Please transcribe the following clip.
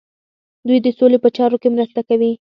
دوی د سولې په چارو کې مرسته کوي.